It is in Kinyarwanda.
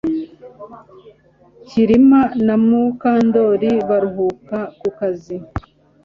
Kirima na Mukandoli baruhuka ku kazi